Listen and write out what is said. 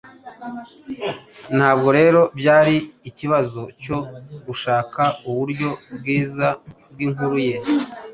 ntabwo rero byari ikibazo cyo gushaka uburyo bwiza bw'inkuru ye,